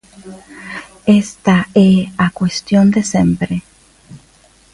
Esta é a cuestión de sempre.